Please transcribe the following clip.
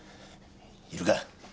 いるか。